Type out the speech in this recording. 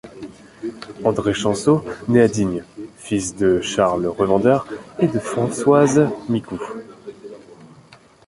André Champsaud nait à Digne, fils de Charles revendeur et de Françoise Micoud.